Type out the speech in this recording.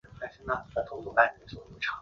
死后赠太子少保。